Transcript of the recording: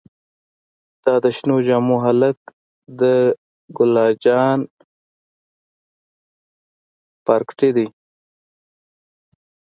دا د شنو جامو هلک د ګلا جان پارکټې دې.